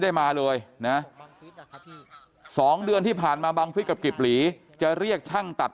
ได้มาเลยนะ๒เดือนที่ผ่านมาบังฟิศกับกิบหลีจะเรียกช่างตัด